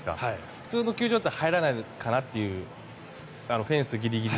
普通の球場では入らないかなというフェンスギリギリ。